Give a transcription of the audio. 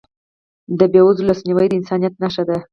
د بېوزلو لاسنیوی د انسانیت نښه ده.